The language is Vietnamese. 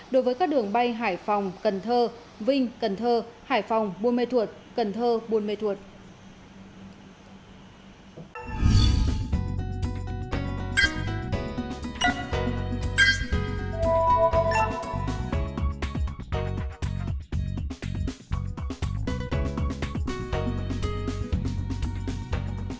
đối với các đường bay hải phòng cần thơ vinh cần thơ hải phòng buôn mê thuột cần thơ buôn mê thuột